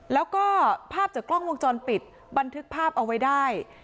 แล้วก็ภาพจากกล้องวงจรปิดบันทึกภาพเอาไว้ได้